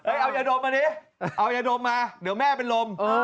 เอายาดมมาดิเอายาดมมาเดี๋ยวแม่เป็นลม